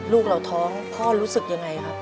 ลูกเราท้องพ่อรู้สึกยังไงครับ